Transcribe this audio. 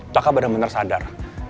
kakak bener bener sadar